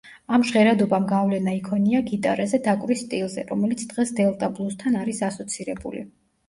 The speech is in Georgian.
ამ ჟღერადობამ გავლენა იქონია გიტარაზე დაკვრის სტილზე, რომელიც დღეს დელტა ბლუზთან არის ასოცირებული.